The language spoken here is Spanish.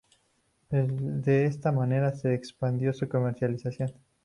De esta manera, se expandió su comercialización.